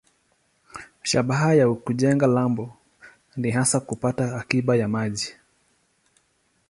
Shabaha ya kujenga lambo ni hasa kupata akiba ya maji.